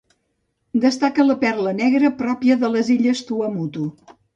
Destaca la perla negra pròpia de les illes Tuamotu.